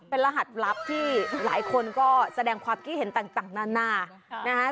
เป็นรหัสลับที่หลายคนก็แสดงความคิดเห็นต่างนานานะฮะ